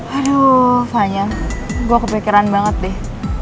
aduh fanya gue kepikiran banget deh